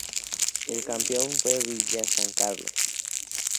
El campeón fue Villa San Carlos.